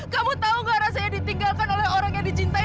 kamu tau gak rasanya ditinggalkan oleh orang yang dicintai